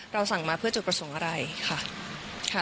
สั่งมาเพื่อจุดประสงค์อะไรค่ะ